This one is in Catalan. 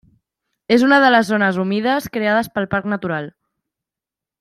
És una de les zones humides creades pel Parc natural.